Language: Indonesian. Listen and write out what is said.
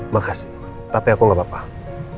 makasih tapi aku gak apa apa